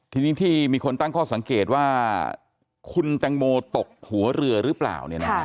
ทีนี้ที่มีคนตั้งข้อสังเกตว่าคุณแตงโมตกหัวเรือหรือเปล่า